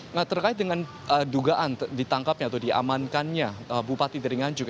nah terkait dengan dugaan ditangkapnya atau diamankannya bupati dari nganjuk